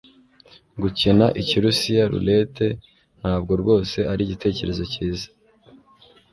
Gukina ikirusiya roulette ntabwo rwose ari igitekerezo cyiza